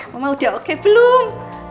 mama udah oke belum